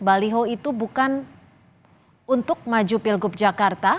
baliho itu bukan untuk maju pilgub jakarta